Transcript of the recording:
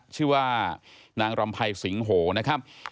ชื่อว่าหนางรามไพรซิงโหนะครับ